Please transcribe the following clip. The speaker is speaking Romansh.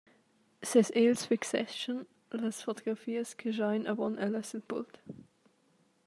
Ses egls fixeschan las fotografias che schaian avon ella sil pult.